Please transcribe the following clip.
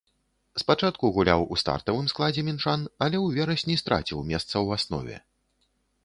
Спачатку гуляў у стартавым складзе мінчан, але ў верасні страціў месца ў аснове.